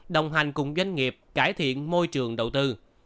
đồng hành cùng doanh nghiệp cải thiện môi trường đầu tư